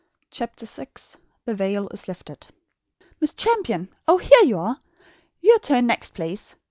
CHAPTER VI THE VEIL IS LIFTED "MISS CHAMPION! Oh, here you are! Your turn next, please.